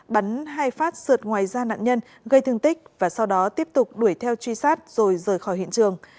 bắn hai phát sượt ngoài da nạn nhân gây thương tích và sau đó tiếp tục đuổi theo truy sát rồi rời khỏi hiện trường